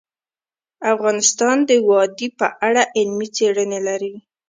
افغانستان د وادي په اړه علمي څېړنې لري.